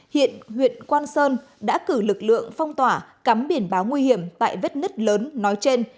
hiện huyện quan sơn đã cử lực lượng phong tỏa cắm biển báo nguy hiểm tại vết nứt lớn nói trên